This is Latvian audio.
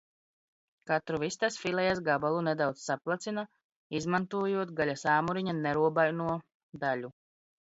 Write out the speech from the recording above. Katru vistas filejas gabalu nedaudz saplacina, izmantojot gaļas āmuriņa nerobaino daļu.